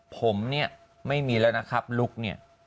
ผมเนี่ยไม่มีแล้วนะครับลุคเนี่ย